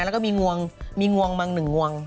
แล้วก็มีงวงมีงวงมังหนึ่งงวง